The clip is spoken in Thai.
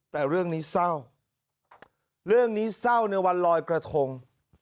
แต่เรื่องนี้เศร้าเรื่องนี้เศร้าในวันลอยกระทง